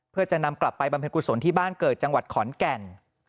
เพื่อจะนำกลับไปบำเพ็ญกุศลที่บ้านเกิดจังหวัดขอนแก่น